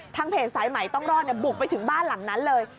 เพจสายใหม่ต้องรอดบุกไปถึงบ้านหลังนั้นเลย